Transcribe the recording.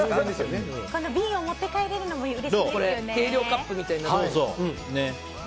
瓶を持って帰れるのもうれしいですよね。